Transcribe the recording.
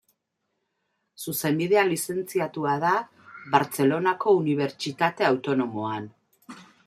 Zuzenbidean lizentziatua da Bartzelonako Unibertsitate Autonomoan.